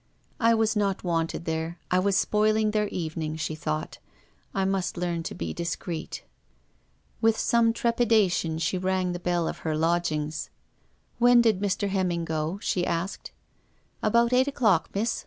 I was not wanted there ; I was spoiling THE WOMAN IN THE GLASS. 311 their evening," she thought. " I must learn to be discreet." With some trepidation she rang the bell of her lodgings. " When did Mr. Hemming go ?" she asked. "About eight o'clock, miss.